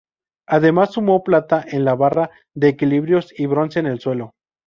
Además sumó plata en la barra de equilibrios y bronce en suelo.